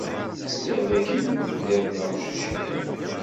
Sliɣ dakken tlid taɣect icebḥen.